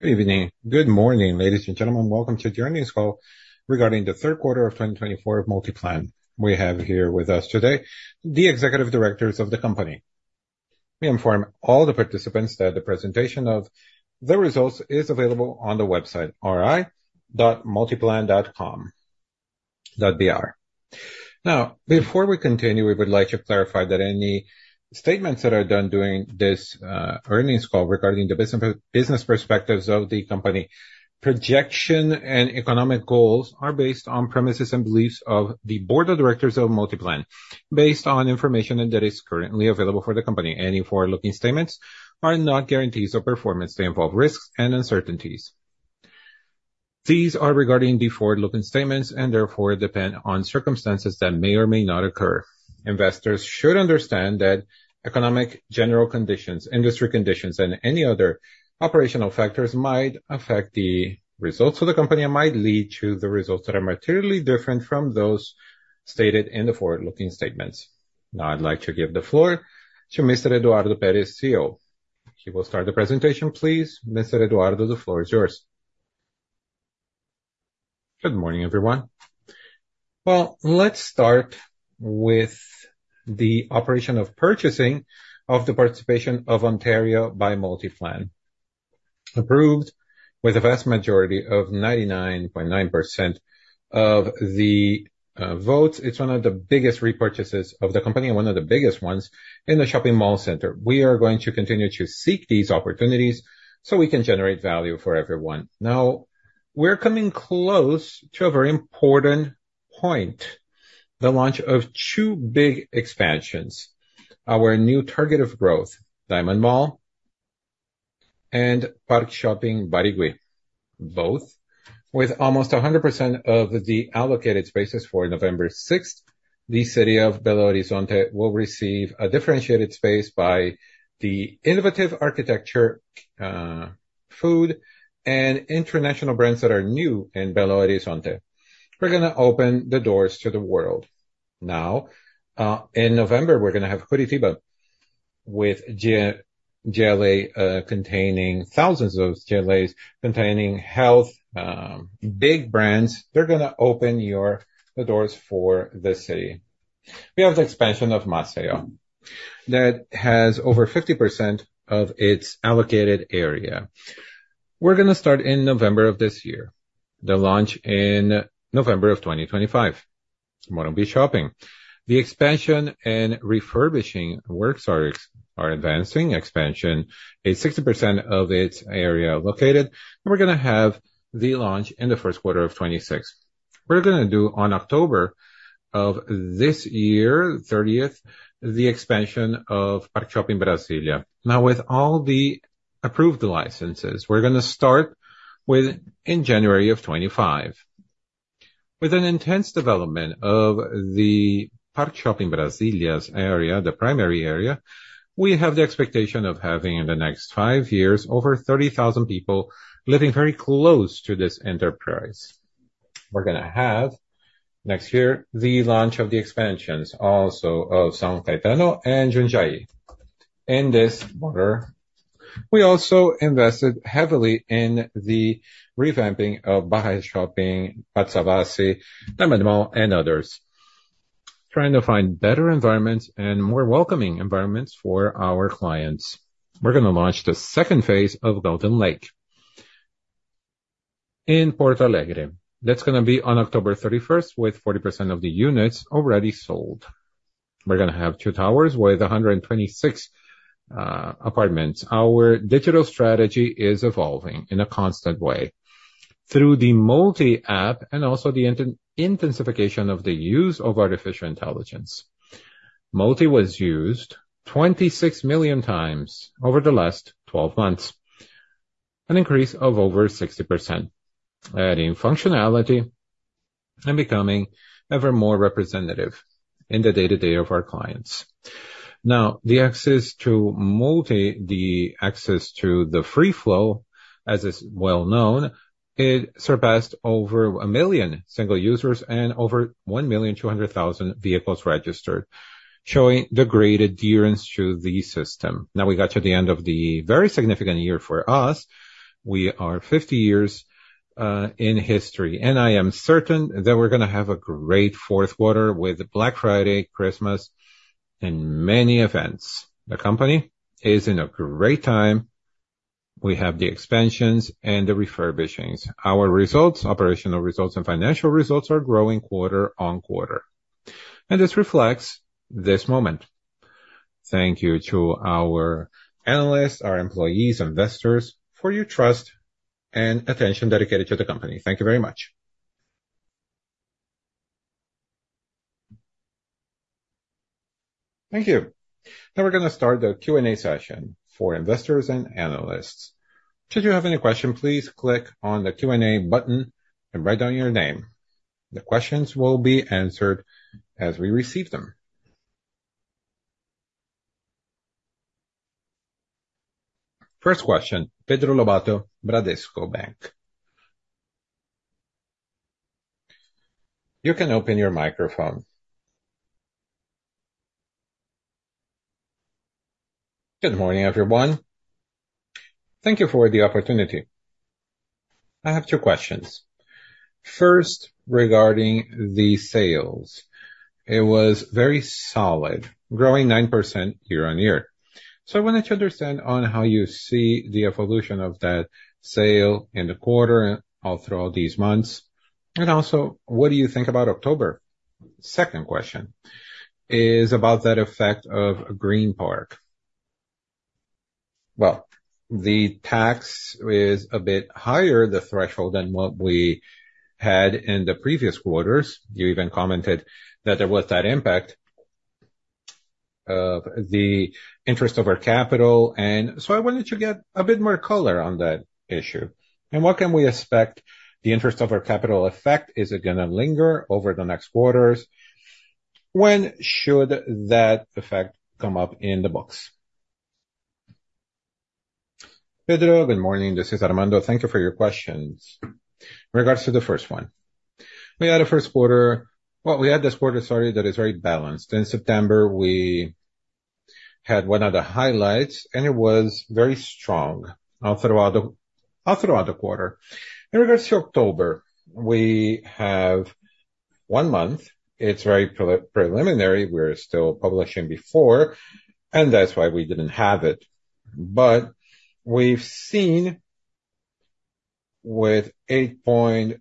Good evening. Good morning, ladies and gentlemen. Welcome to the earnings call regarding the third quarter of twenty twenty-four of Multiplan. We have here with us today the executive directors of the company. We inform all the participants that the presentation of the results is available on the website, ri.multiplan.com.br. Now, before we continue, we would like to clarify that any statements that are done during this earnings call regarding the business, business perspectives of the company, projection and economic goals are based on premises and beliefs of the board of directors of Multiplan, based on information that is currently available for the company. Any forward-looking statements are not guarantees of performance. They involve risks and uncertainties. These are regarding the forward-looking statements and therefore depend on circumstances that may or may not occur. Investors should understand that economic general conditions, industry conditions, and any other operational factors might affect the results of the company and might lead to the results that are materially different from those stated in the forward-looking statements. Now, I'd like to give the floor to Mr. Eduardo Peres, CEO. He will start the presentation. Please, Mr. Eduardo, the floor is yours. Good morning, everyone. Let's start with the operation of purchasing of the participation of Ontario by Multiplan, approved with a vast majority of 99.9% of the votes. It's one of the biggest repurchases of the company and one of the biggest ones in the shopping mall sector. We are going to continue to seek these opportunities so we can generate value for everyone. Now, we're coming close to a very important point, the launch of two big expansions, our new target of growth, DiamondMall and ParkShoppingBarigüi, both with almost 100% of the allocated spaces for November sixth. The city of Belo Horizonte will receive a differentiated space by the innovative architecture, food, and international brands that are new in Belo Horizonte. We're gonna open the doors to the world. Now, in November, we're gonna have Curitiba, with GLA containing thousands of GLAs containing health big brands. They're gonna open the doors for the city. We have the expansion of Maceió, that has over 50% of its allocated area. We're gonna start in November of this year, the launch in November of 2025. MorumbiShopping. The expansion and refurbishing works are advancing. Expansion is 60% of its area located, and we're gonna have the launch in the first quarter of 2026. We're gonna do, on October thirtieth of this year, the expansion of ParkShopping Brasília. Now, with all the approved licenses, we're gonna start in January of 2025. With an intense development of the ParkShopping Brasília's area, the primary area, we have the expectation of having, in the next five years, over 30,000 people living very close to this enterprise. We're gonna have, next year, the launch of the expansions, also of São Caetano and Jundiaí. In this quarter, we also invested heavily in the revamping of BarraShopping, Pátio Savassi, DiamondMall, and others, trying to find better environments and more welcoming environments for our clients. We're gonna launch the second phase of Golden Lake in Porto Alegre. That's gonna be on October thirty-first, with 40% of the units already sold. We're gonna have two towers with 126 apartments. Our digital strategy is evolving in a constant way through the Multi app and also the intensification of the use of artificial intelligence. Multi was used 26 million times over the last twelve months, an increase of over 60%, adding functionality and becoming ever more representative in the day-to-day of our clients. Now, the access to Multi, the access to the Free Flow, as is well known, it surpassed over 1 million single users and over 1.2 million vehicles registered, showing the great adherence to the system. Now, we got to the end of the very significant year for us. We are fifty years in history, and I am certain that we're gonna have a great fourth quarter with Black Friday, Christmas, and many events. The company is in a great time. We have the expansions and the refurbishings. Our results, operational results and financial results, are growing quarter on quarter, and this reflects this moment. Thank you to our analysts, our employees, investors, for your trust and attention dedicated to the company. Thank you very much. Thank you. Now we're gonna start the Q&A session for investors and analysts. Should you have any question, please click on the Q&A button and write down your name. The questions will be answered as we receive them. First question, Pedro Lobato, Banco Bradesco. You can open your microphone. Good morning, everyone. Thank you for the opportunity. I have two questions. First, regarding the sales, it was very solid, growing 9% year on year. So I wanted to understand on how you see the evolution of that sale in the quarter all throughout these months, and also, what do you think about October? Second question is about that effect of the IGP. The IGP is a bit higher, the threshold, than what we had in the previous quarters. You even commented that there was that impact of the interest on equity, and so I wanted to get a bit more color on that issue. What can we expect the interest on equity effect? Is it gonna linger over the next quarters? When should that effect come up in the books? Pedro, good morning. This is Armando. Thank you for your questions. In regards to the first one, we had a first quarter... We had this quarter, sorry, that is very balanced. In September, we had one of the highlights, and it was very strong all throughout the quarter. In regards to October, we have one month. It's very preliminary. We're still publishing before, and that's why we didn't have it. But we've seen 8.6%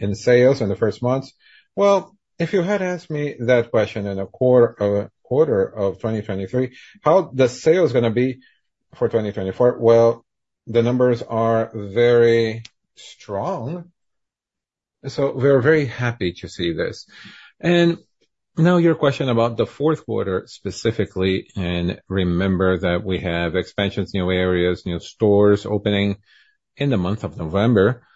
in sales in the first months. If you had asked me that question in a quarter of 2023, how the sales gonna be for 2024? The numbers are very strong, so we're very happy to see this. Now your question about the fourth quarter, specifically, and remember that we have expansions, new areas, new stores opening in the month of November.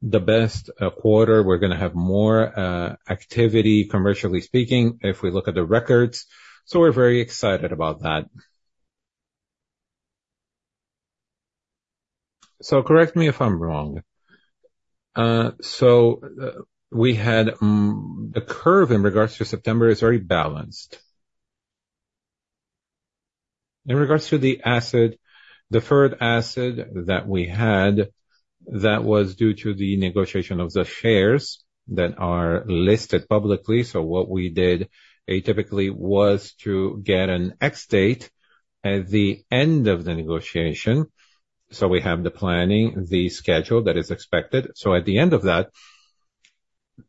The best quarter, we're gonna have more activity, commercially speaking, if we look at the records, so we're very excited about that. So correct me if I'm wrong. So we had the curve in regards to September is very balanced. In regards to the asset, deferred asset that we had, that was due to the negotiation of the shares that are listed publicly. So what we did, atypically, was to get an ex-date at the end of the negotiation, so we have the planning, the schedule that is expected. So at the end of that,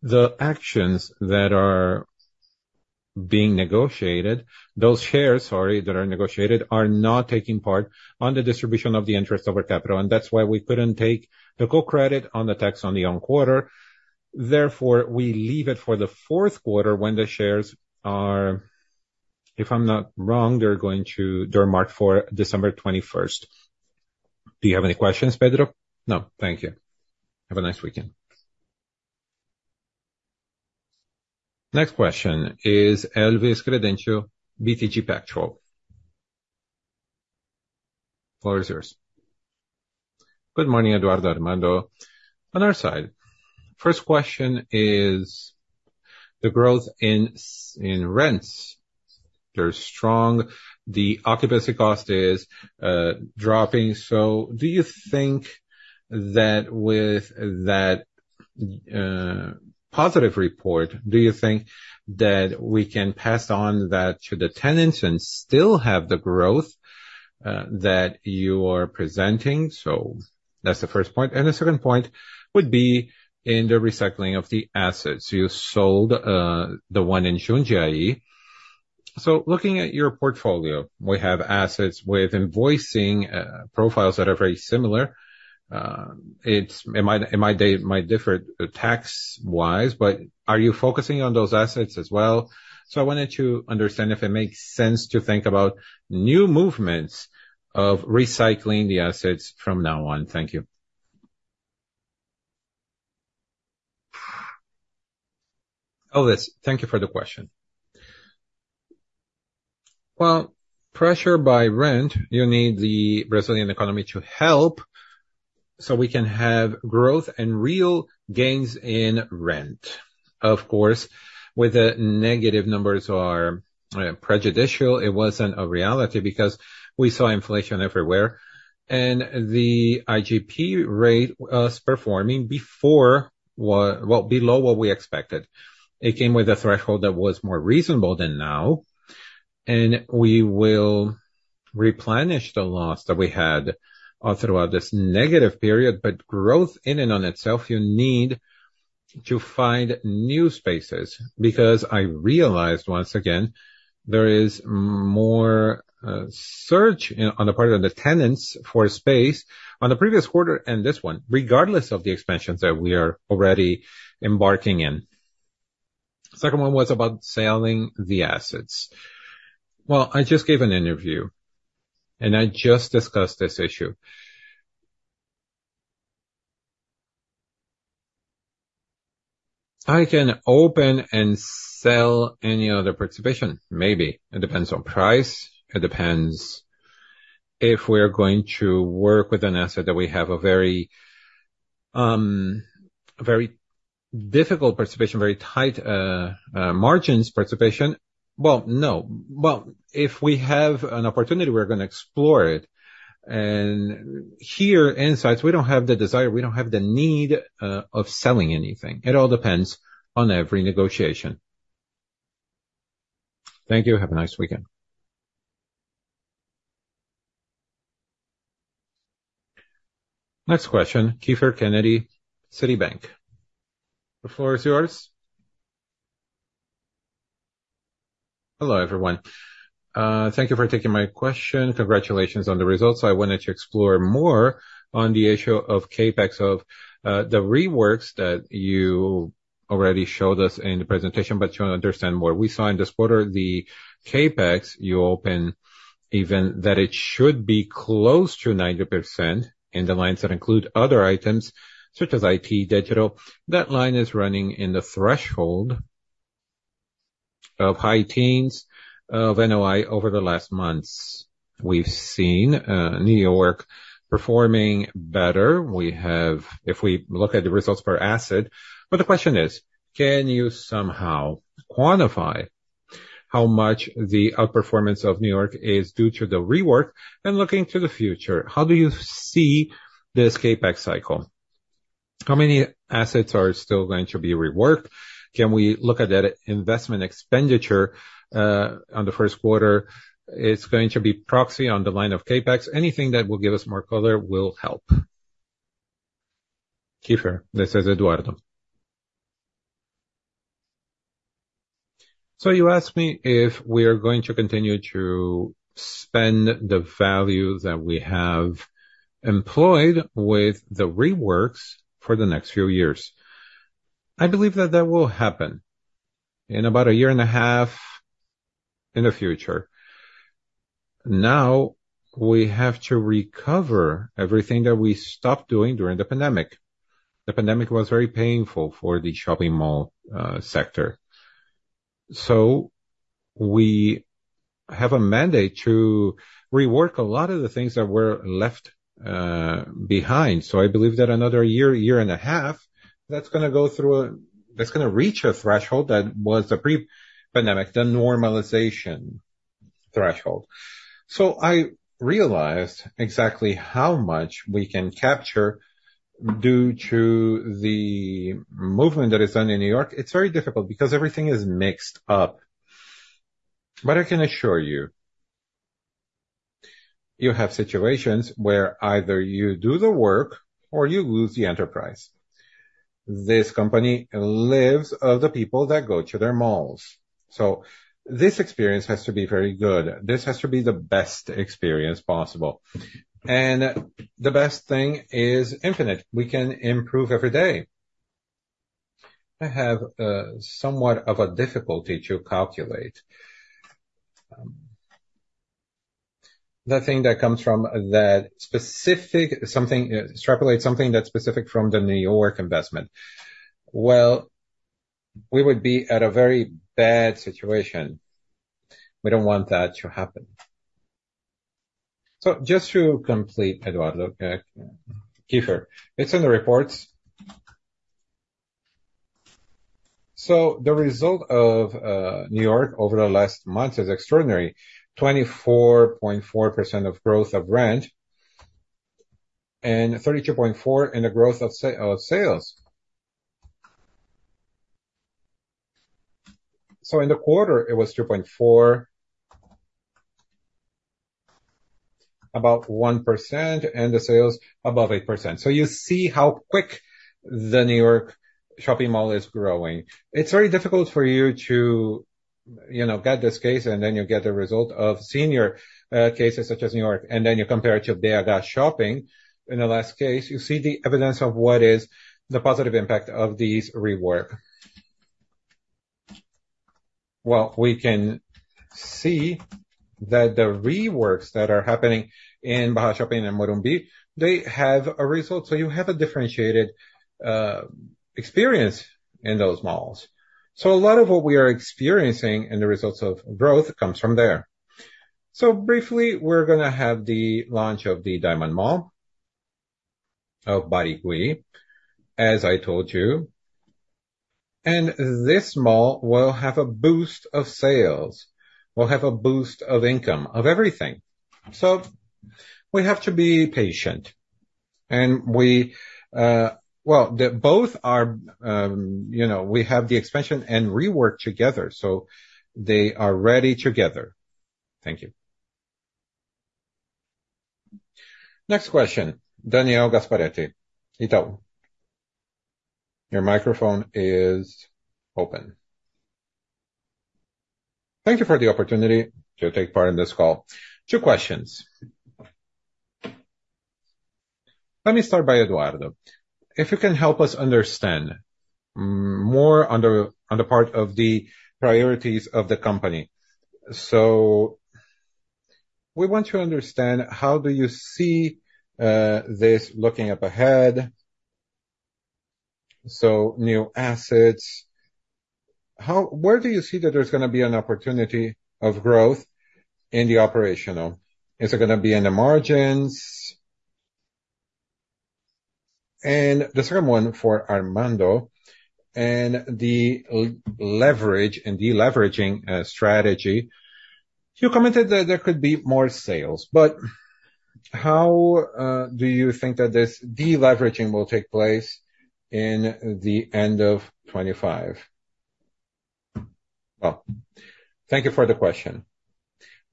the shares that are being negotiated, those shares, sorry, that are negotiated, are not taking part on the distribution of the interest on our capital, and that's why we couldn't take the tax credit on the quarter. Therefore, we leave it for the fourth quarter when the shares are, if I'm not wrong, they're going to... They're marked for December twenty-first. Do you have any questions, Pedro? No, thank you. Have a nice weekend. Next question is Elvis Credendio, BTG Pactual. Floor is yours. Good morning, Eduardo, Armando. On our side, first question is the growth in rents. They're strong, the occupancy cost is dropping. So do you think that with that positive report, do you think that we can pass on that to the tenants and still have the growth that you are presenting? So that's the first point. And the second point would be in the recycling of the assets. You sold the one in Jundiaí. So looking at your portfolio, we have assets with invoicing profiles that are very similar. It's... It might differ tax-wise, but are you focusing on those assets as well? So I wanted to understand if it makes sense to think about new movements of recycling the assets from now on. Thank you. Elvis, thank you for the question. Pressure by rent, you need the Brazilian economy to help so we can have growth and real gains in rent. Of course, with the negative numbers are prejudicial, it wasn't a reality because we saw inflation everywhere, and the IGP rate was performing before well, below what we expected. It came with a threshold that was more reasonable than now, and we will replenish the loss that we had all throughout this negative period. Growth in and on itself, you need to find new spaces, because I realized, once again, there is more search on the part of the tenants for space on the previous quarter and this one, regardless of the expansions that we are already embarking in. The second one was about selling the assets. I just gave an interview, and I just discussed this issue. I can open and sell any other participation, maybe. It depends on price. It depends if we're going to work with an asset that we have a very difficult participation, very tight margins participation. No. If we have an opportunity, we're gonna explore it. Here, in sites, we don't have the desire. We don't have the need of selling anything. It all depends on every negotiation. Thank you. Have a nice weekend. Next question, Kiefer Unkles, Citibank, the floor is yours. Hello, everyone. Thank you for taking my question. Congratulations on the results. I wanted to explore more on the issue of CapEx of the reworks that you already showed us in the presentation, but to understand where we signed this quarter, the CapEx, you open, even that it should be close to 90% in the lines that include other items such as IT, digital. That line is running in the threshold of high teens of NOI over the last months. We've seen New York performing better. If we look at the results per asset. But the question is: Can you somehow quantify how much the outperformance of New York is due to the rework? And looking to the future, how do you see this CapEx cycle? How many assets are still going to be reworked? Can we look at that investment expenditure on the first quarter? It's going to be proxy on the line of CapEx. Anything that will give us more color will help. Kiefer, this is Eduardo. So you asked me if we are going to continue to spend the value that we have employed with the reworks for the next few years. I believe that that will happen in about a year and a half in the future. Now, we have to recover everything that we stopped doing during the pandemic. The pandemic was very painful for the shopping mall sector. So we have a mandate to rework a lot of the things that were left behind. So I believe that another year, year and a half, that's gonna reach a threshold that was the pre-pandemic, the normalization threshold. So I realized exactly how much we can capture due to the movement that is done in New York. It's very difficult because everything is mixed up, but I can assure you, you have situations where either you do the work or you lose the enterprise. This company lives off the people that go to their malls, so this experience has to be very good. This has to be the best experience possible, and the best thing is infinite. We can improve every day. I have somewhat of a difficulty to calculate. The thing that comes from that specific something, extrapolate something that's specific from the New York investment, well, we would be at a very bad situation. We don't want that to happen, so just to complete, Eduardo, Kiefer, it's in the reports. So the result of New York over the last month is extraordinary. 24.4% growth of rent and 32.4% in the growth of sales. In the quarter, it was 2.4%, about 1%, and the sales above 8%. You see how quick the New York shopping mall is growing. It's very difficult for you to, you know, get this case, and then you get the result of similar cases such as New York, and then you compare it to BarraShopping. In the last case, you see the evidence of what is the positive impact of these reworks. We can see that the reworks that are happening in BarraShopping and Morumbi, they have a result. You have a differentiated experience in those malls. A lot of what we are experiencing in the results of growth comes from there. So briefly, we're gonna have the launch of the DiamondMall and Barigüi, as I told you, and this mall will have a boost of sales, will have a boost of income, of everything. So we have to be patient, and we, Well, the both are, you know, we have the expansion and rework together, so they are ready together. Thank you. Next question, Daniel Gasparete, Itaú. Your microphone is open. Thank you for the opportunity to take part in this call. Two questions. Let me start by Eduardo. If you can help us understand more on the part of the priorities of the company. So we want to understand, how do you see this looking up ahead? So, how, where do you see that there's gonna be an opportunity of growth in the operational? Is it gonna be in the margins? The second one for Armando, and the leverage and deleveraging strategy, you commented that there could be more sales, but how do you think that this deleveraging will take place in the end of 2025? Thank you for the question.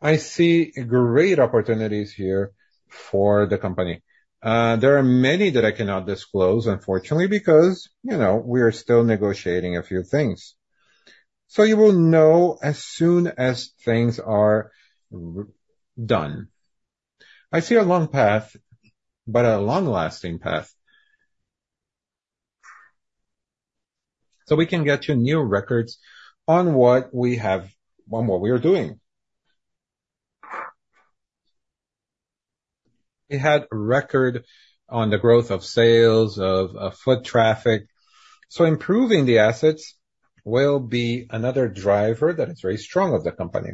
I see great opportunities here for the company. There are many that I cannot disclose, unfortunately, because, you know, we are still negotiating a few things. So you will know as soon as things are done. I see a long path, but a long-lasting path. So we can get to new records on what we have, on what we are doing. We had record on the growth of sales, of foot traffic, so improving the assets will be another driver that is very strong of the company.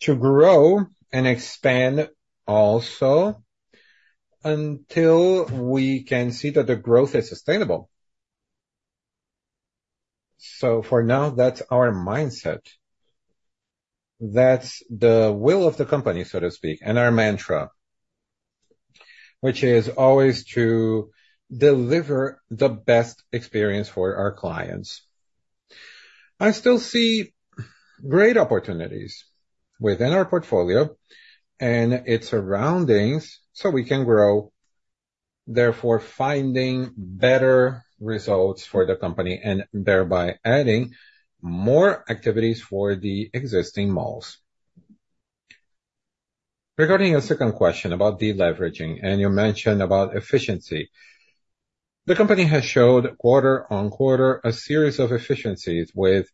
To grow and expand also, until we can see that the growth is sustainable. So for now, that's our mindset. That's the will of the company, so to speak, and our mantra, which is always to deliver the best experience for our clients. I still see great opportunities within our portfolio and its surroundings so we can grow, therefore, finding better results for the company and thereby adding more activities for the existing malls. Regarding your second question about deleveraging, and you mentioned about efficiency. The company has showed quarter on quarter, a series of efficiencies with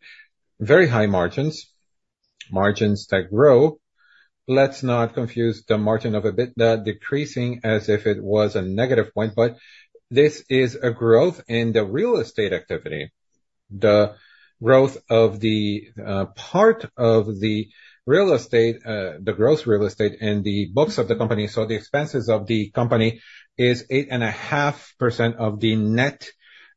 very high margins, margins that grow. Let's not confuse the margin of a bit, the decreasing as if it was a negative point, but this is a growth in the real estate activity. The growth of the part of the real estate, the growth real estate and the books of the company, so the expenses of the company is 8.5% of the net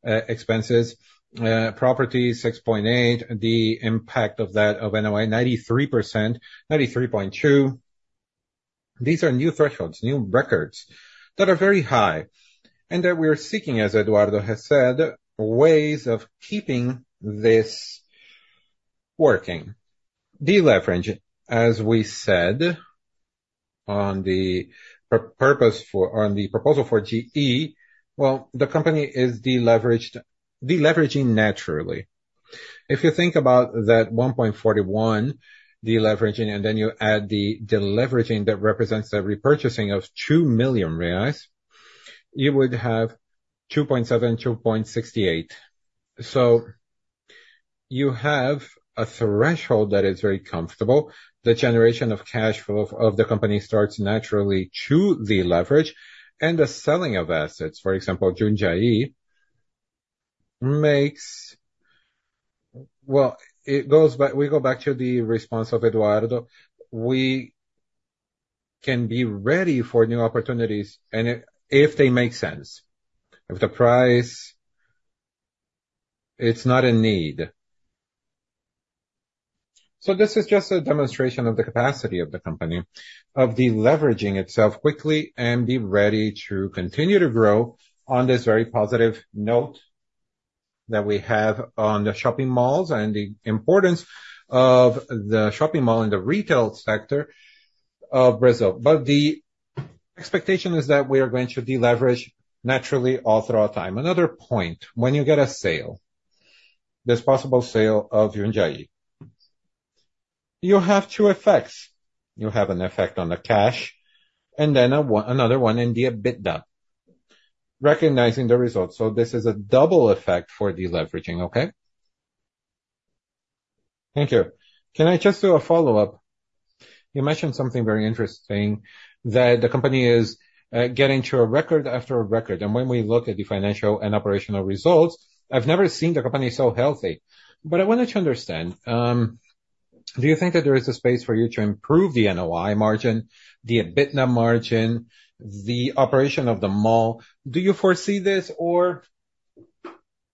expenses, property 6.8, the impact of that of NOI 93%, 93.2. These are new thresholds, new records, that are very high, and that we are seeking, as Eduardo has said, ways of keeping this working. Deleverage, as we said, on the purpose for on the proposal for AGE, well, the company is deleveraged, deleveraging naturally. If you think about that 1.41 deleveraging, and then you add the deleveraging that represents the repurchasing of 2 million reais, you would have 2.7, 2.68. So you have a threshold that is very comfortable. The generation of cash flow of the company starts naturally to deleverage, and the selling of assets, for example, Jundiaí, makes. Well, it goes back. We go back to the response of Eduardo. We can be ready for new opportunities, and if they make sense, if the price, it's not a need. So this is just a demonstration of the capacity of the company, of deleveraging itself quickly and be ready to continue to grow on this very positive note that we have on the shopping malls and the importance of the shopping mall in the retail sector of Brazil. But the expectation is that we are going to deleverage naturally all throughout time. Another point, when you get a sale, this possible sale of Jundiaí, you have two effects. You have an effect on the cash, and then a one, another one in the EBITDA, recognizing the results. So this is a double effect for deleveraging, okay? Thank you. Can I just do a follow-up? You mentioned something very interesting, that the company is getting to a record after record, and when we look at the financial and operational results, I've never seen the company so healthy. But I wanted to understand, do you think that there is a space for you to improve the NOI margin, the EBITDA margin, the operation of the mall? Do you foresee this? Or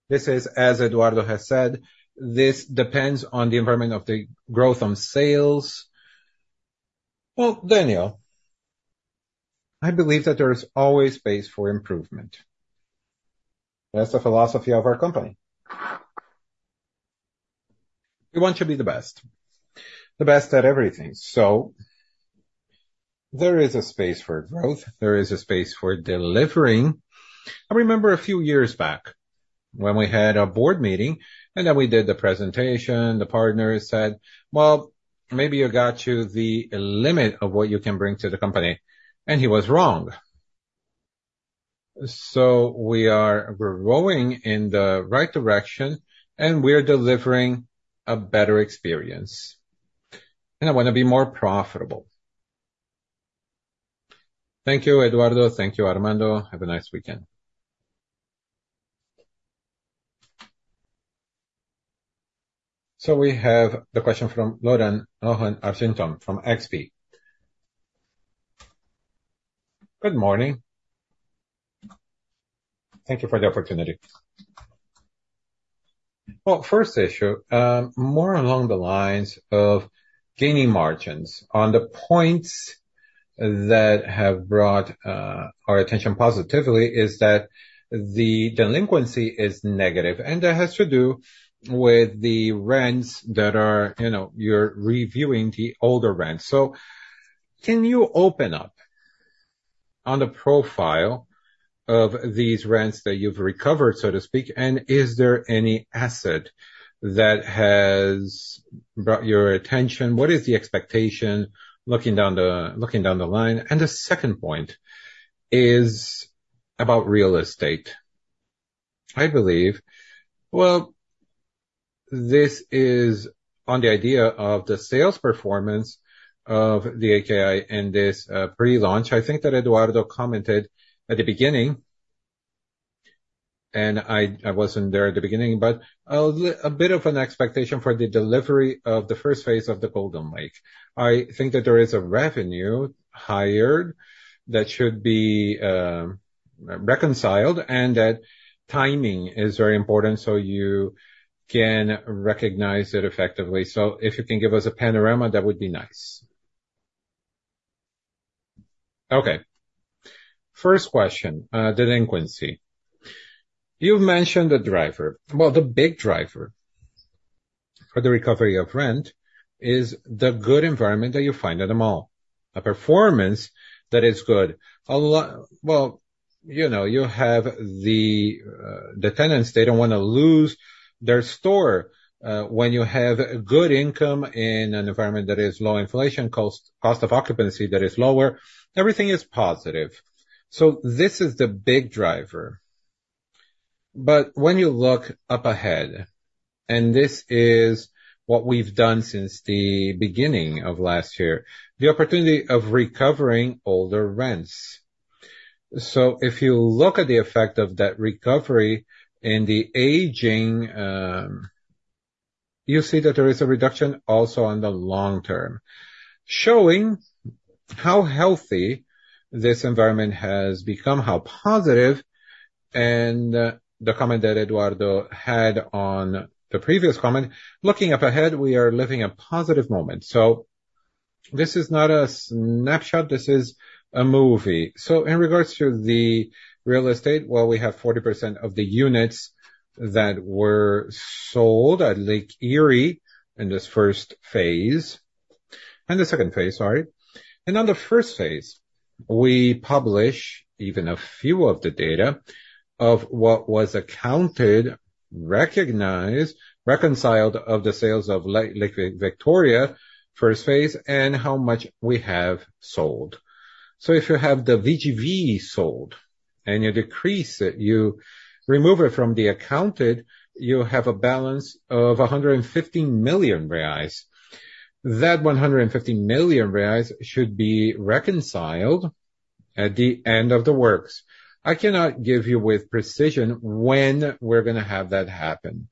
this is, as Eduardo has said, this depends on the environment of the growth on sales. Well, Daniel, I believe that there is always space for improvement. That's the philosophy of our company. We want to be the best, the best at everything. There is a space for growth, there is a space for delivering. I remember a few years back when we had a board meeting and then we did the presentation, the partner said, "Well, maybe you got to the limit of what you can bring to the company," and he was wrong. We are growing in the right direction, and we are delivering a better experience, and I wanna be more profitable. Thank you, Eduardo. Thank you, Armando. Have a nice weekend. We have the question from Ruan Argenton from XP. Good morning. Thank you for the opportunity. First issue, more along the lines of gaining margins. On the points that have brought our attention positively, is that the delinquency is negative, and that has to do with the rents that are, you know, you're reviewing the older rents. Can you open up on the profile of these rents that you've recovered, so to speak, and is there any asset that has brought your attention? What is the expectation, looking down the line? And the second point is about real estate. I believe, well, this is on the idea of the sales performance of the Lake in this pre-launch. I think that Eduardo commented at the beginning, and I wasn't there at the beginning, but a bit of an expectation for the delivery of the first phase of the Golden Lake. I think that there is a revenue higher that should be reconciled, and that timing is very important, so you can recognize it effectively. So if you can give us a panorama, that would be nice. Okay, first question, delinquency. You've mentioned the driver. Well, the big driver for the recovery of rent is the good environment that you find at the mall, a performance that is good. Well, you know, you have the tenants, they don't wanna lose their store. When you have good income in an environment that is low inflation cost, cost of occupancy that is lower, everything is positive. So this is the big driver. But when you look up ahead, and this is what we've done since the beginning of last year, the opportunity of recovering older rents. So if you look at the effect of that recovery and the aging, you see that there is a reduction also on the long term, showing how healthy this environment has become, how positive, and the comment that Eduardo had on the previous comment, looking up ahead, we are living a positive moment. This is not a snapshot; this is a movie. In regards to the real estate, well, we have 40% of the units that were sold at Lake Victoria in this first phase. In the second phase, sorry. And on the first phase, we publish even a few of the data of what was accounted, recognized, reconciled of the sales of Lake Victoria first phase, and how much we have sold. So if you have the VGV sold and you decrease it, you remove it from the accounted, you have a balance of 150 million reais. That 150 million reais should be reconciled at the end of the works. I cannot give you with precision when we're gonna have that happen.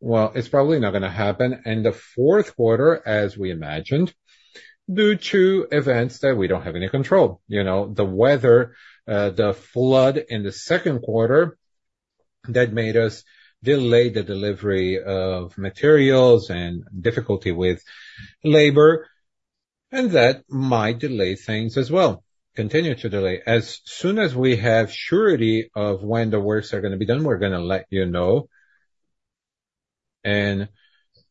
It's probably not gonna happen in the fourth quarter, as we imagined, due to events that we don't have any control. You know, the weather, the flood in the second quarter, that made us delay the delivery of materials and difficulty with labor, and that might delay things as well, continue to delay. As soon as we have surety of when the works are gonna be done, we're gonna let you know.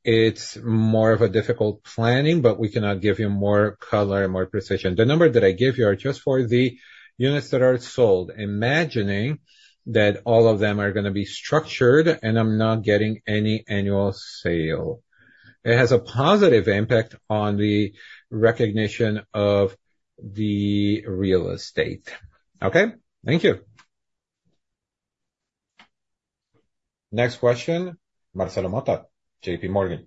It's more of a difficult planning, but we cannot give you more color, more precision. The number that I give you are just for the units that are sold, imagining that all of them are gonna be structured and I'm not getting any annual sale. It has a positive impact on the recognition of the real estate. Okay? Thank you. Next question, Marcelo Motta, JP Morgan.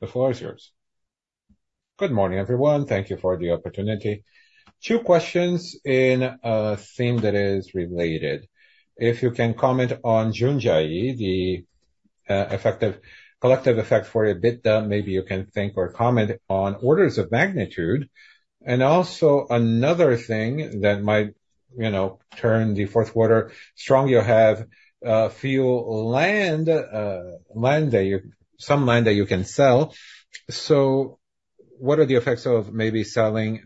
The floor is yours. Good morning, everyone. Thank you for the opportunity. Two questions in a theme that is related. If you can comment on JundiaíShopping, the effective, collective effect for EBITDA, maybe you can think or comment on orders of magnitude. And also another thing that might, you know, turn the fourth quarter strong, you have few land, land that you... Some land that you can sell. So what are the effects of maybe selling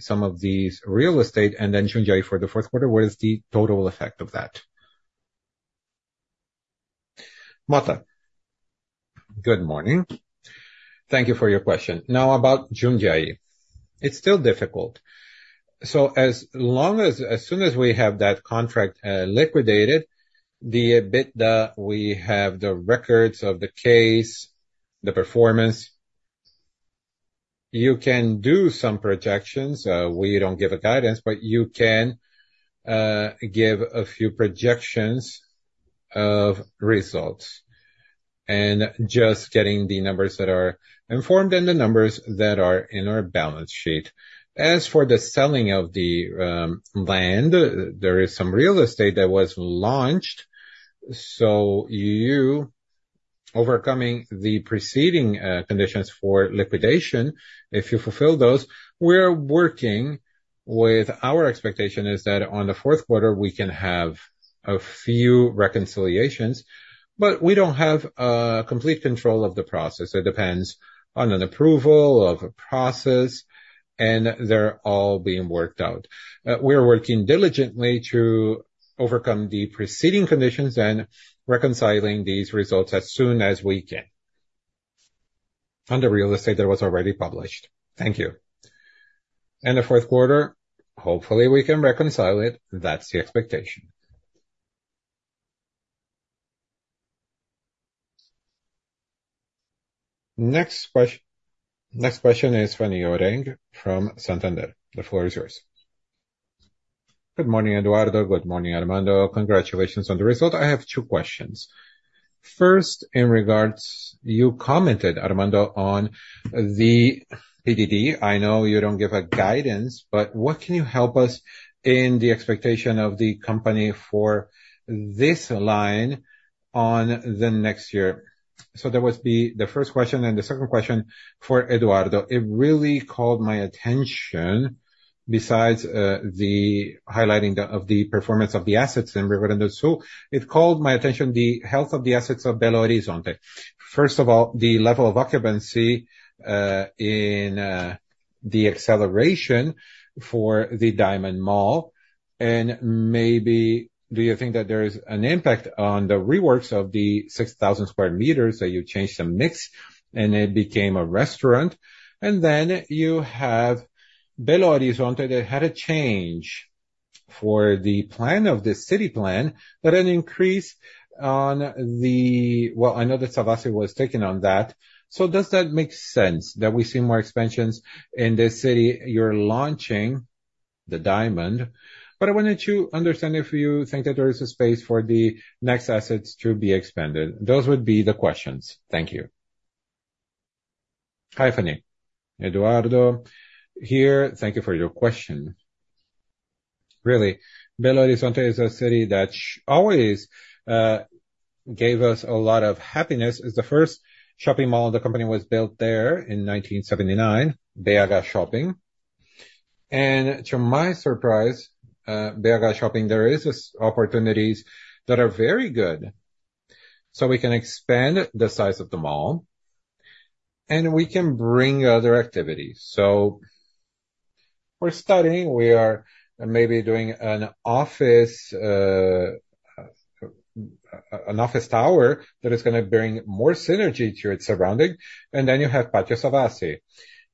some of these real estate and then JundiaíShopping for the fourth quarter, what is the total effect of that? Motta, good morning. Thank you for your question. Now, about JundiaíShopping, it's still difficult. So as long as, as soon as we have that contract liquidated, the EBITDA, we have the records of the case, the performance. You can do some projections, we don't give a guidance, but you can give a few projections.... of results, and just getting the numbers that are informed and the numbers that are in our balance sheet. As for the selling of the land, there is some real estate that was launched, so you overcoming the preceding conditions for liquidation, if you fulfill those, we're working with our expectation is that on the fourth quarter, we can have a few reconciliations, but we don't have complete control of the process. It depends on an approval of a process, and they're all being worked out. We are working diligently to overcome the preceding conditions and reconciling these results as soon as we can. On the real estate, that was already published. Thank you. And the fourth quarter, hopefully, we can reconcile it. That's the expectation. Next question is from Fanny Oreng, from Santander. The floor is yours. Good morning, Eduardo. Good morning, Armando. Congratulations on the result. I have two questions. First, in regards, you commented, Armando, on the PDD. I know you don't give a guidance, but what can you help us in the expectation of the company for this line on the next year? So that was the first question, and the second question for Eduardo. It really called my attention, besides the highlighting of the performance of the assets in Rio de Janeiro, so it called my attention, the health of the assets of Belo Horizonte. First of all, the level of occupancy in the acceleration for the DiamondMall, and maybe do you think that there is an impact on the reworks of the 6,000 square meters, that you changed the mix and it became a restaurant? And then you have Belo Horizonte that had a change for the plan of the city plan, but an increase on the. Well, I know that Savassi was taking on that. So does that make sense that we see more expansions in the city? You're launching the Diamond, but I wanted to understand if you think that there is a space for the next assets to be expanded. Those would be the questions. Thank you. Hi, Fani. Eduardo here. Thank you for your question. Really, Belo Horizonte is a city that always gave us a lot of happiness. It's the first shopping mall. The company was built there in nineteen seventy-nine, BH Shopping. And to my surprise, BH Shopping, there is opportunities that are very good, so we can expand the size of the mall, and we can bring other activities. We're studying. We are maybe doing an office tower that is gonna bring more synergy to its surrounding, and then you have Pátio Savassi.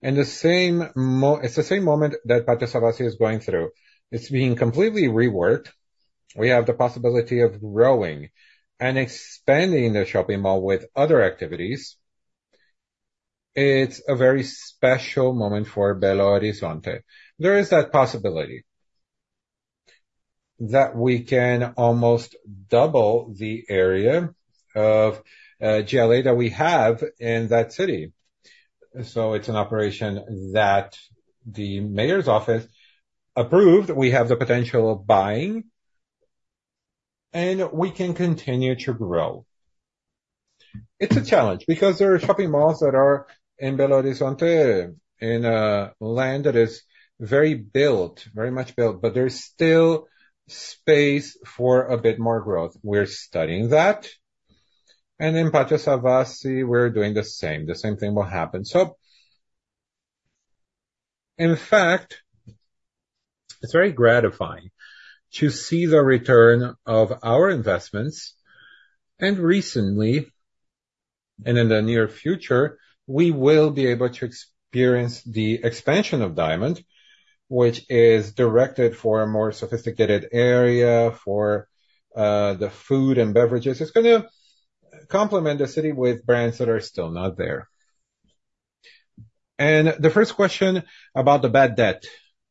The same moment that Pátio Savassi is going through. It's being completely reworked. We have the possibility of growing and expanding the shopping mall with other activities. It's a very special moment for Belo Horizonte. There is that possibility that we can almost double the area of GLA that we have in that city. It's an operation that the mayor's office approved. We have the potential of buying, and we can continue to grow. It's a challenge because there are shopping malls that are in Belo Horizonte, in a land that is very built, very much built, but there's still space for a bit more growth. We're studying that, and in Pátio Savassi, we're doing the same. The same thing will happen, so in fact, it's very gratifying to see the return of our investments, and recently, and in the near future, we will be able to experience the expansion of Diamond, which is directed for a more sophisticated area for the food and beverages. It's gonna complement the city with brands that are still not there, and the first question about the bad debt,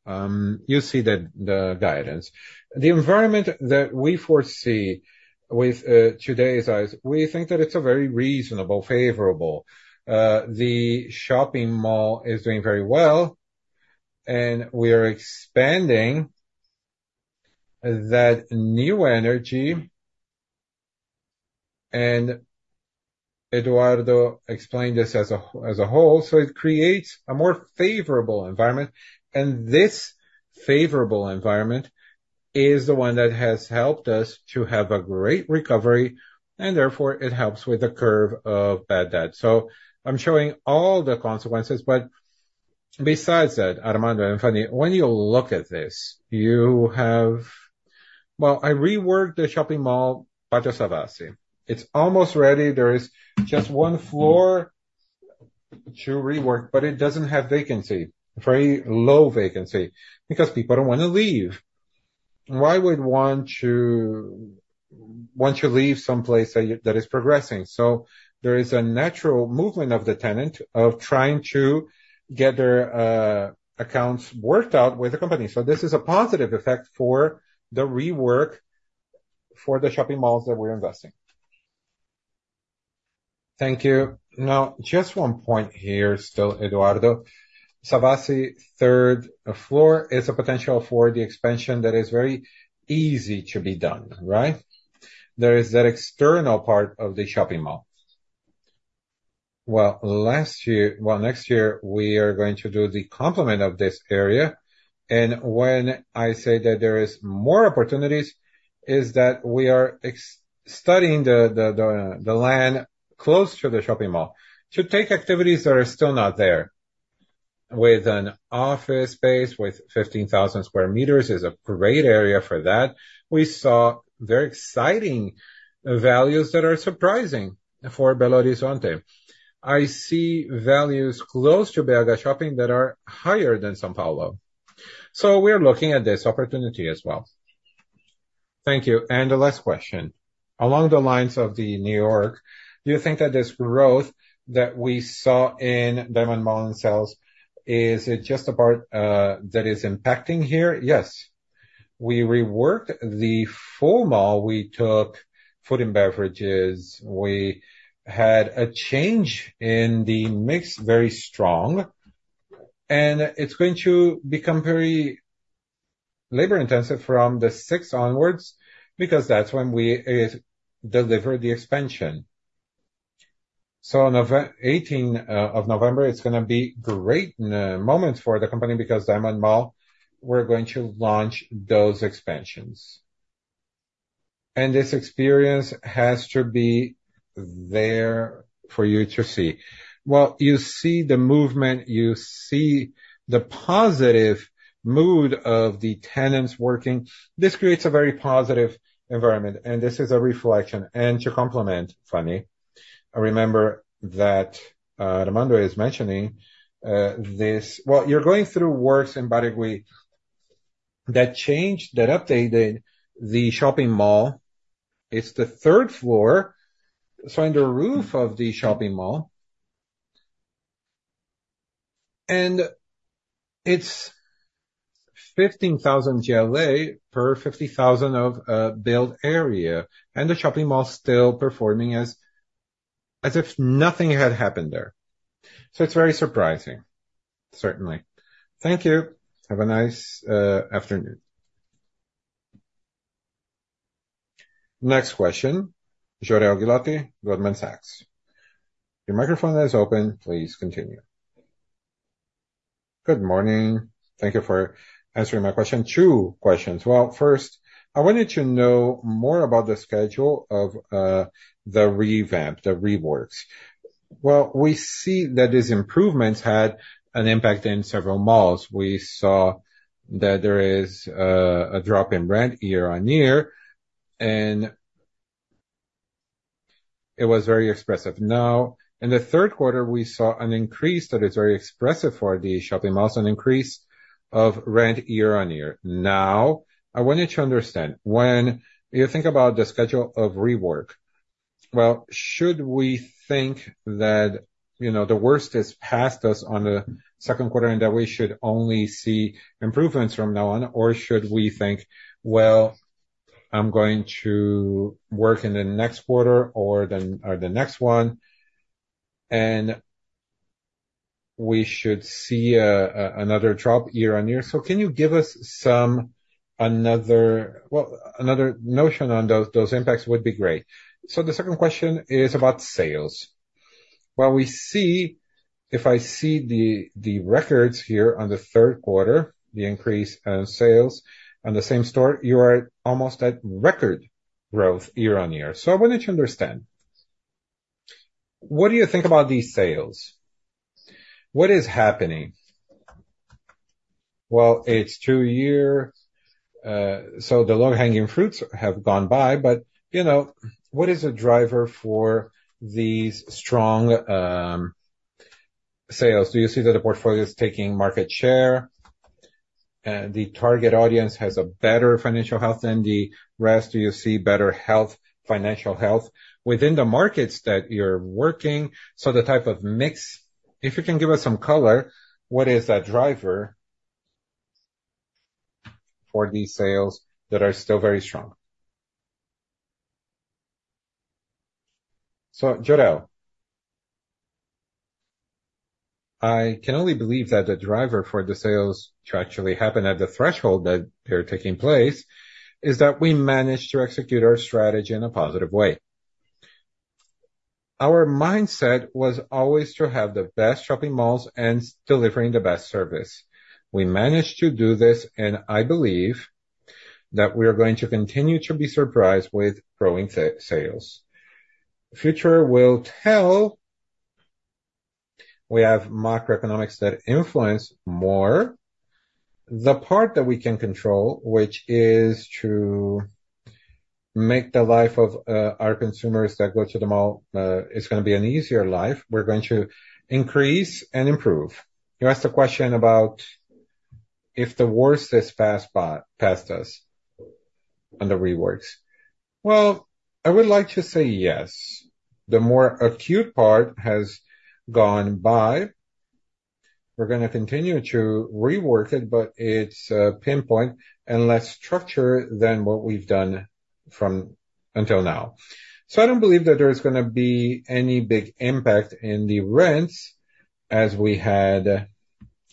you see the guidance. The environment that we foresee with today's eyes, we think that it's a very reasonable, favorable. The shopping mall is doing very well, and we are expanding that new energy, and Eduardo explained this as a whole, so it creates a more favorable environment, and this favorable environment is the one that has helped us to have a great recovery, and therefore, it helps with the curve of bad debt. So I'm showing all the consequences, but besides that, Armando and Fanny, when you look at this, you have... Well, I reworked the shopping mall, Pátio Savassi. It's almost ready. There is just one floor to rework, but it doesn't have vacancy, very low vacancy, because people don't wanna leave. Why would want to leave some place that is progressing? So there is a natural movement of the tenants trying to get their accounts worked out with the company. This is a positive effect for the rework for the shopping malls that we're investing. Thank you. Now, just one point here still, Eduardo. Savassi third floor is a potential for the expansion that is very easy to be done, right? There is that external part of the shopping mall. Next year, we are going to do the complement of this area, and when I say that there is more opportunities, is that we are examining the land close to the shopping mall to take activities that are still not there. With an office space, with 15,000 square meters, is a great area for that. We saw very exciting values that are surprising for Belo Horizonte. I see values close to BarraShopping that are higher than São Paulo. We are looking at this opportunity as well. Thank you. The last question. Along the lines of the New York, do you think that this growth that we saw in DiamondMall and sales, is it just a part that is impacting here? Yes. We reworked the full mall. We took food and beverages, we had a change in the mix, very strong, and it's going to become very labor-intensive from the sixth onwards, because that's when we deliver the expansion. So November eighteenth of November, it's gonna be great moment for the company, because DiamondMall, we're going to launch those expansions. And this experience has to be there for you to see. You see the movement, you see the positive mood of the tenants working. This creates a very positive environment, and this is a reflection. To complement, Fanny, I remember that Armando is mentioning this. You're going through works in Barigüi that changed and updated the shopping mall. It's the third floor. It's on the roof of the shopping mall. It's fifteen thousand GLA per fifty thousand of build area, and the shopping mall is still performing as if nothing had happened there. It's very surprising, certainly. Thank you. Have a nice afternoon. Next question, Jorel Guilloty, Goldman Sachs. Your microphone is open. Please continue. Good morning. Thank you for answering my question. Two questions. First, I wanted to know more about the schedule of the revamp, the reworks. We see that these improvements had an impact in several malls. We saw that there is a drop in rent year-on-year, and it was very expressive. Now, in the third quarter, we saw an increase that is very expressive for the shopping malls, an increase of rent year-on-year. Now, I wanted to understand, when you think about the schedule of rework, well, should we think that, you know, the worst has passed us on the second quarter and that we should only see improvements from now on? Or should we think, well, I'm going to work in the next quarter or the next one, and we should see another drop year-on-year. So can you give us another notion on those impacts would be great. So the second question is about sales. Well, we see, if I see the records here on the third quarter, the increase on sales, on the same store, you are almost at record growth year-on-year. So I wanted to understand, what do you think about these sales? What is happening? Well, it's two year, so the low-hanging fruits have gone by, but, you know, what is the driver for these strong sales? Do you see that the portfolio is taking market share? The target audience has a better financial health than the rest. Do you see better health, financial health within the markets that you're working? So the type of mix, if you can give us some color, what is that driver for these sales that are still very strong? So, Jorel, I can only believe that the driver for the sales to actually happen at the threshold that they're taking place, is that we managed to execute our strategy in a positive way. Our mindset was always to have the best shopping malls and delivering the best service. We managed to do this, and I believe that we are going to continue to be surprised with growing sales. Future will tell. We have macroeconomics that influence more. The part that we can control, which is to make the life of our consumers that go to the mall, it's gonna be an easier life. We're going to increase and improve. You asked a question about if the worst has passed by, passed us on the reworks. Well, I would like to say yes. The more acute part has gone by. We're gonna continue to rework it, but it's pinpoint and less structure than what we've done from until now. So I don't believe that there's gonna be any big impact in the rents as we had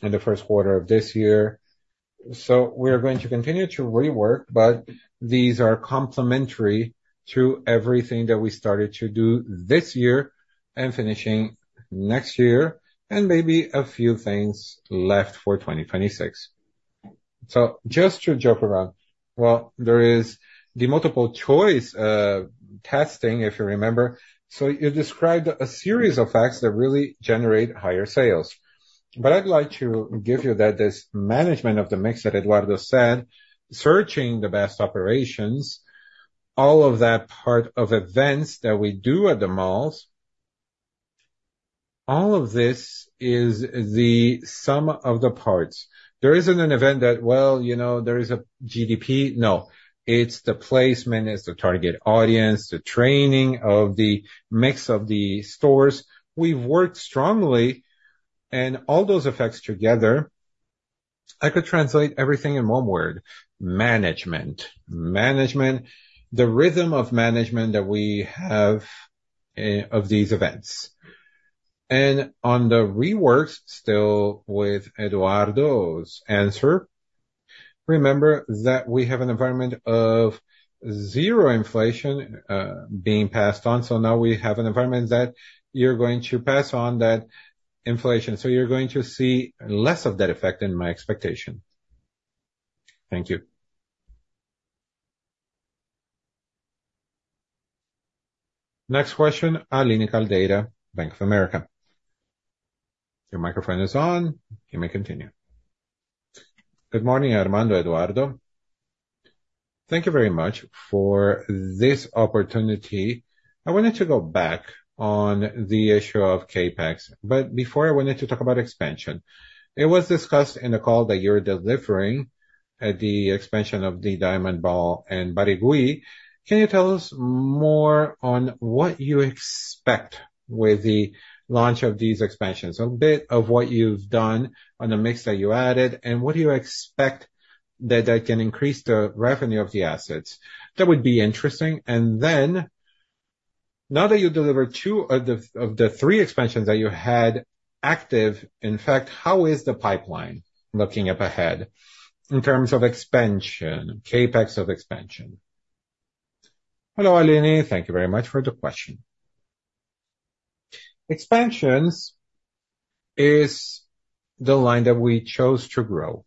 in the first quarter of this year. We're going to continue to rework, but these are complementary to everything that we started to do this year and finishing next year, and maybe a few things left for 2026. Just to joke around, well, there is the multiple choice testing, if you remember. You described a series of facts that really generate higher sales. But I'd like to give you that this management of the mix that Eduardo said, searching the best operations, all of that part of events that we do at the malls, all of this is the sum of the parts. There isn't an event that, well, you know, there is a GDP. No, it's the placement, it's the target audience, the training of the mix of the stores. We've worked strongly and all those effects together, I could translate everything in one word: management. Management, the rhythm of management that we have of these events. And on the reworks, still with Eduardo's answer, remember that we have an environment of zero inflation being passed on, so now we have an environment that you're going to pass on that inflation. So you're going to see less of that effect in my expectation. Thank you. Next question, Aline Caldeira, Bank of America. Your microphone is on. You may continue. Good morning, Armando, Eduardo. Thank you very much for this opportunity. I wanted to go back on the issue of CapEx, but before, I wanted to talk about expansion. It was discussed in the call that you're delivering at the expansion of the DiamondMall and Barigüi. Can you tell us more on what you expect with the launch of these expansions? A bit of what you've done on the mix that you added, and what do you expect that can increase the revenue of the assets? That would be interesting. And then, now that you delivered two of the three expansions that you had active, in fact, how is the pipeline looking up ahead in terms of expansion, CapEx of expansion? Hello, Aline. Thank you very much for the question. Expansions is the line that we chose to grow.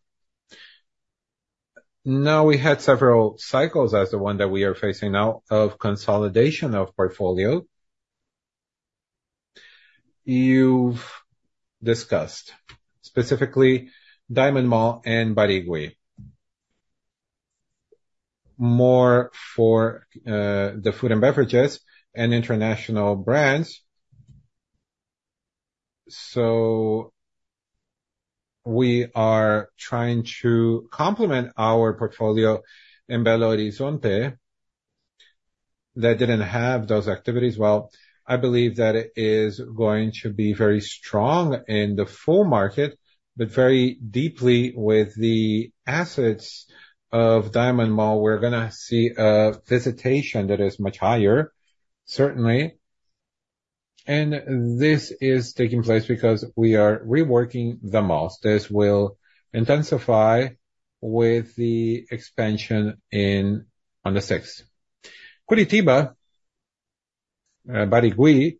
Now, we had several cycles as the one that we are facing now of consolidation of portfolio. You've discussed, specifically DiamondMall and Barigüi. More for the food and beverages and international brands. So we are trying to complement our portfolio in Belo Horizonte that didn't have those activities. I believe that it is going to be very strong in the full market, but very deeply with the assets of DiamondMall, we're gonna see a visitation that is much higher, certainly. This is taking place because we are reworking the malls. This will intensify with the expansion in on the sixth. Curitiba, Barigüi,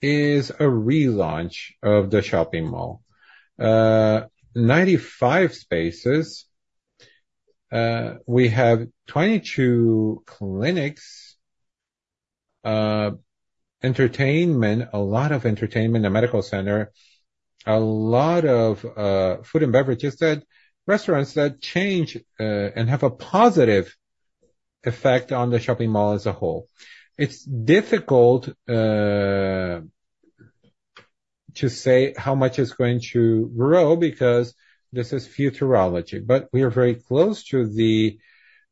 is a relaunch of the shopping mall. 95 spaces, we have 22 clinics, entertainment, a lot of entertainment, a medical center, a lot of food and beverages, restaurants that change, and have a positive effect on the shopping mall as a whole. It's difficult to say how much it's going to grow because this is futurology, but we are very close to the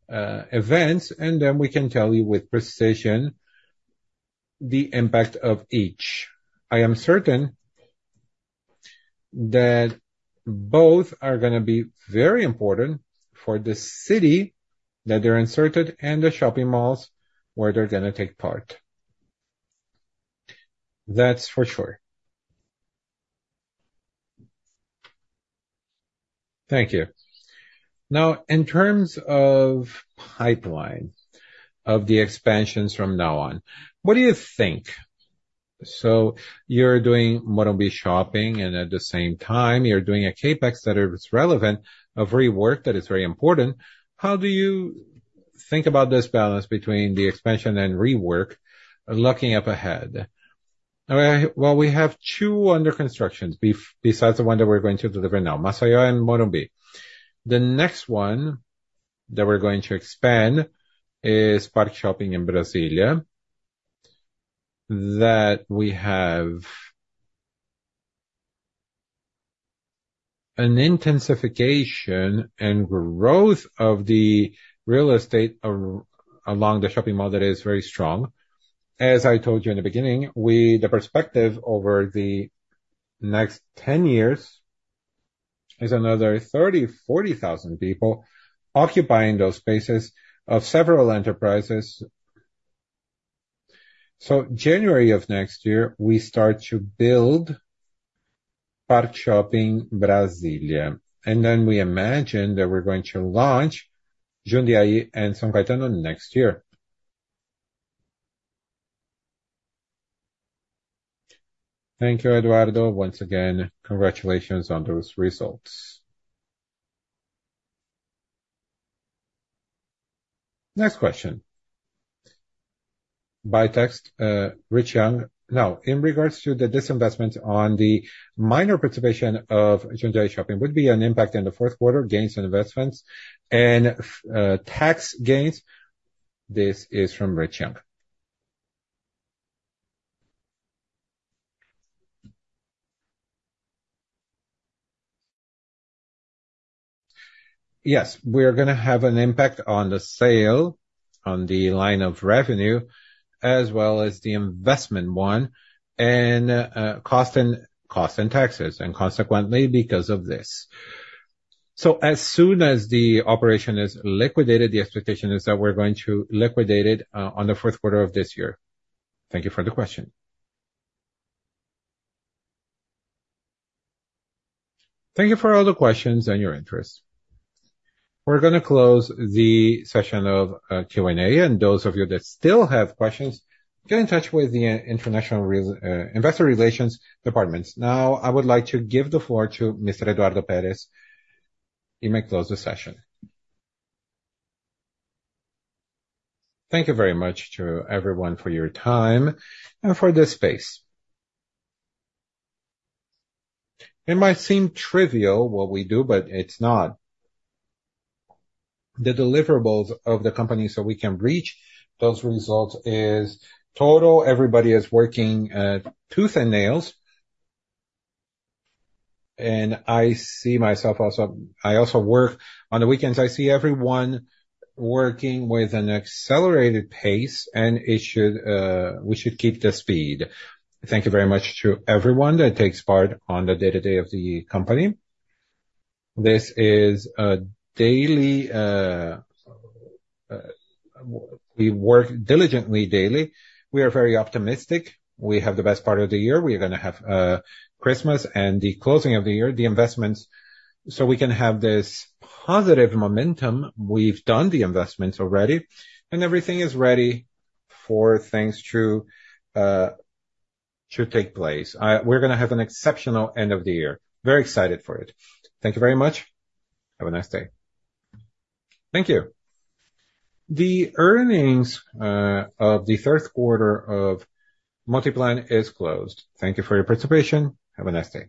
events, and then we can tell you with precision the impact of each. I am certain that both are gonna be very important for the city that they're inserted and the shopping malls where they're gonna take part. That's for sure. Thank you. Now, in terms of pipeline of the expansions from now on, what do you think? So you're doing Morumbi Shopping, and at the same time, you're doing a CapEx that is relevant, a rework that is very important. How do you think about this balance between the expansion and rework, looking up ahead? Well, we have two under constructions, besides the one that we're going to deliver now, Maceió and Morumbi. The next one that we're going to expand is ParkShopping in Brasília, that we have an intensification and growth of the real estate along the shopping mall, that is very strong. As I told you in the beginning, the perspective over the next 10 years is another 30, 40 thousand people occupying those spaces of several enterprises. January of next year, we start to build ParkShopping Brasília, and then we imagine that we're going to launch Jundiaí and São Caetano next year. Thank you, Eduardo. Once again, congratulations on those results. Next question. by text, Rich Young. Now, in regards to the disinvestment on the minor participation of JundiaíShopping, would be an impact in the fourth quarter, gains on investments and tax gains? This is from Rich Young. Yes, we're gonna have an impact on the sale, on the line of revenue, as well as the investment one, and cost and taxes, and consequently, because of this. So as soon as the operation is liquidated, the expectation is that we're going to liquidate it on the fourth quarter of this year. Thank you for the question. Thank you for all the questions and your interest. We're gonna close the session of Q&A, and those of you that still have questions, get in touch with the international investor relations departments. Now, I would like to give the floor to Mr. Eduardo Peres. You may close the session. Thank you very much to everyone for your time and for this space. It might seem trivial, what we do, but it's not. The deliverables of the company, so we can reach those results, is total everybody is working tooth and nail. And I see myself also... I also work. On the weekends, I see everyone working with an accelerated pace, and it should, we should keep the speed. Thank you very much to everyone that takes part on the day-to-day of the company. This is a daily, we work diligently daily. We are very optimistic. We have the best part of the year. We are gonna have, Christmas and the closing of the year, the investments, so we can have this positive momentum. We've done the investments already, and everything is ready for things to, to take place. We're gonna have an exceptional end of the year. Very excited for it. Thank you very much. Have a nice day. Thank you. The earnings of the third quarter of Multiplan is closed. Thank you for your participation. Have a nice day.